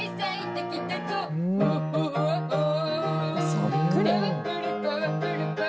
そっくり。